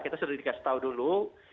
kita sudah dikasih tahu dulu